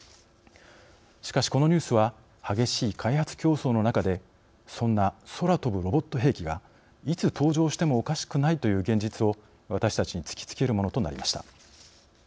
しかしこのニュースは激しい開発競争の中でそんな空飛ぶロボット兵器がいつ登場してもおかしくないという現実を私たちに突きつけるものとなりました。